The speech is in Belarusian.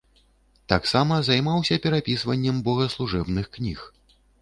Таксама займаўся перапісваннем богаслужэбных кніг.